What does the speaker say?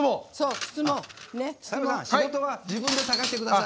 澤部さん、仕事は自分で探してください。